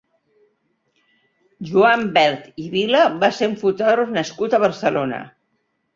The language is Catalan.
Joan Bert i Vila va ser un fotògraf nascut a Barcelona.